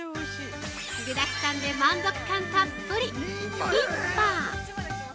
具だくさんで満足感たっぷりキンパ。